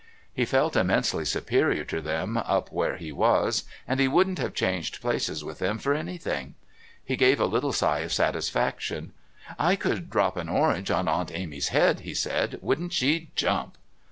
He felt immensely superior to them up where he was, and he wouldn't have changed places with them for anything. He gave a little sigh of satisfaction. "I could drop an orange on to Aunt Amy's head," he said. "Wouldn't she jump!"